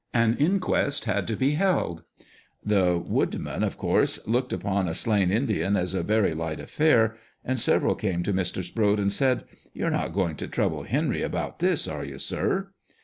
An inquest had to be held. The wood men, of course, looked upon a slain Indian as a very light affair, and several came to Mr. Sproat and said :" You are not going to trouble Henry about this, are you, sir